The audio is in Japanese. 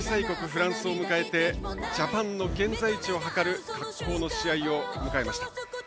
フランスを迎えてジャパンの現在地をはかる格好の試合を迎えました。